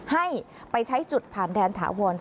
ให้ไปใช้จุดผ่านแดนถาวร